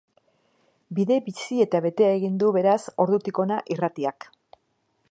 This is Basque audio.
Bide bizi eta betea egin du, beraz, ordutik hona irratiak.